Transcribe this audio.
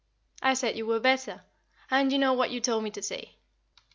I said you were better, and you know what you told me to say.